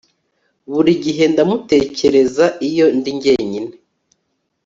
Buri gihe ndamutekereza iyo ndi jyenyine